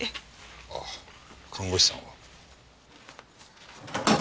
あっ看護師さんを。